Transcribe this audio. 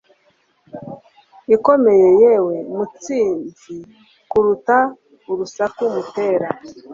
Ikomeye yewe mutsinzi kuruta urusaku mutera